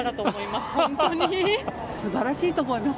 すばらしいと思います。